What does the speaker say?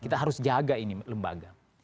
kita harus jaga ini lembaga